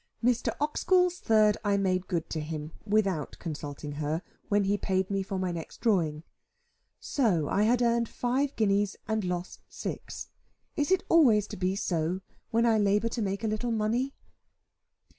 Mr. Oxgall's third I made good to him (without consulting her) when he paid me for my next drawing. So I had earned five guineas, and lost six. Is it always to be so when I labour to make a little money?